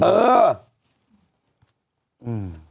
เออ